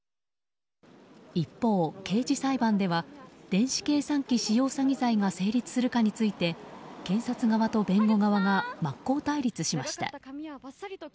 一方、刑事裁判では電子計算機使用詐欺罪が成立するかについて検察側と弁護側が真っ向対立しました。